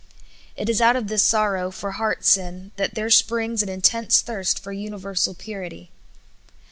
It is out of this sorrow for heart sin that there springs an intense thirst for universal purity.